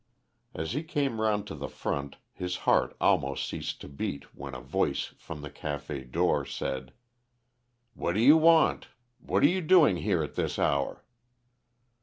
As he came round to the front, his heart almost ceased to beat when a voice from the café door said "What do you want? What are you doing here at this hour?"